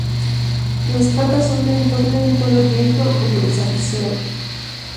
Las patas son de un color amarillento o grisáceo.